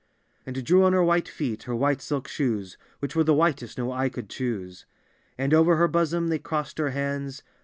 And drew on her white feet her white silk shoes Which were the whitest no eye could choose, — And over her bosom they crossed her hands.